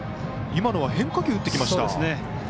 今のは変化球打ってきました。